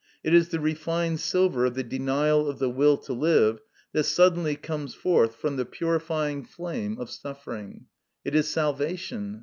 It is the refined silver of the denial of the will to live that suddenly comes forth from the purifying flame of suffering. It is salvation.